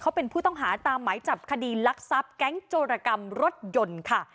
เขาเป็นผู้ต้องหาตามหมายจับคดีลักทรัพย์แก๊งโจรกรรมรถยนต์ค่ะ